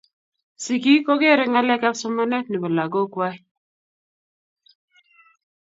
sikik ko keree ngalek ab somanet ne bo lakok kwai